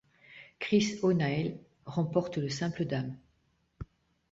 Chris O'Neil remporte le simple dames.